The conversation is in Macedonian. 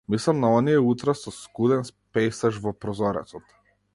Мислам на оние утра со скуден пејсаж во прозорецот.